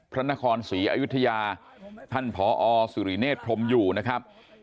พระนครศรีอยุธยาท่านผอสุริเนธพรมอยู่นะครับ